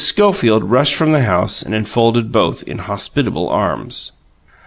Schofield rushed from the house and enfolded both in hospitable arms.